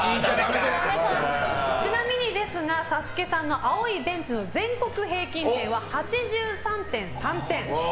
ちなみにですがサスケさんの「青いベンチ」の全国平均点は８３．３点。